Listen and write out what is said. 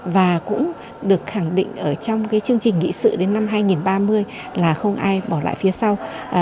và cũng được khẳng định ở trong cái chương trình nghị sự đến năm hai nghìn ba mươi là không ai bỏ lại phía sau